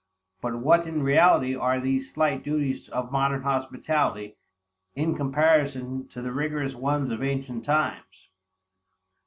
But what in reality are these slight duties of modern hospitality, in comparison to the rigorous ones of ancient times?